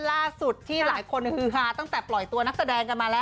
ล่าสุดที่หลายคนฮือฮาตั้งแต่ปล่อยตัวนักแสดงกันมาแล้ว